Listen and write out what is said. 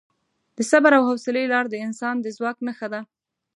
د صبر او حوصلې لار د انسان د ځواک نښه ده.